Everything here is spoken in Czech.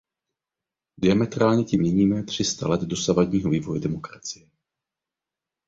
Diametrálně tím měníme tři sta let dosavadního vývoje demokracie.